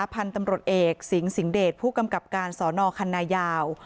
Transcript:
พันธุ์ตำรวจเอกสิงสิงเดชผู้กำกับการสอนอคันนายาว